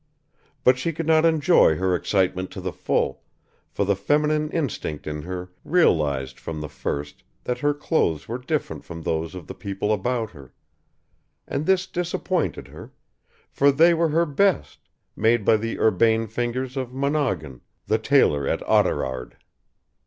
But she could not enjoy her excitement to the full, for the feminine instinct in her realised from the first that her clothes were different from those of the people about her; and this disappointed her, for they were her best, made by the urbane fingers of Monoghan, the tailor at Oughterard.